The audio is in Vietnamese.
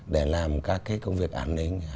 để làm các cái công việc an ninh